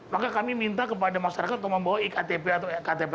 maka kami minta kepada masyarakat untuk membawa iktp atau ktp